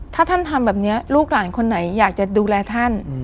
ถ้าท่านทำแบบนี้ลูกหลานคนไหนอยากจะดูแลท่าน